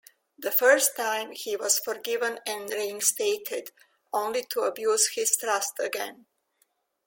The first time he was forgiven and reinstated, only to abuse his trust again.